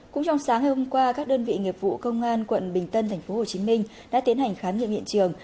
cũng trong sáng ngày hôm qua các đơn vị nghiệp vụ công an quận bình tân tp hcm đã tiến hành khám nghiệm hiện trường